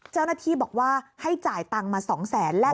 เจ้าหน้าที่บอกว่าให้จ่ายตังค์มา๒แสน